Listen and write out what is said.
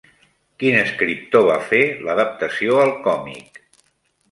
Quin escriptor va fer l'adaptació al còmic?